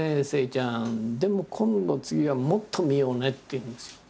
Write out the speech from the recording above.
でも今度次はもっと見ようね」って言うんですよ。